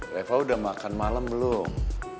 reva udah makan malem belum